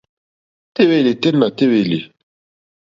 Téèlì tɛ́ nà téèlì.